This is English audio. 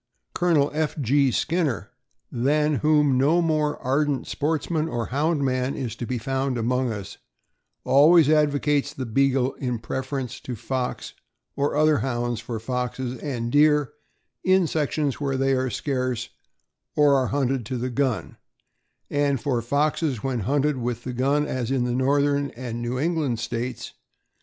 Col. F. GK Skinner, than whom no more ardent sportsman or Hound man is to be found among us, always advocates the Beagle in preference to Fox or other Hounds for foxes and deer in sections where they are scarce or are hunted to the gun, and for foxes when hunted with the gun, as in the Northern and New England States.